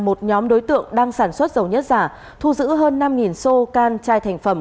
một nhóm đối tượng đang sản xuất dầu nhất giả thu giữ hơn năm xô can chai thành phẩm